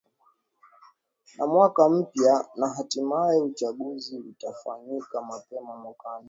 na mwaka mpya na hatimaye uchaguzi utakaofanyika mapema mwakani